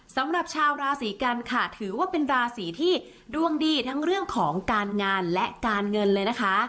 สำหรับชาวราศีกันค่ะถือว่าเป็นราศีที่ดวงดีทั้งเรื่องของการงานและการเงินเลยนะคะ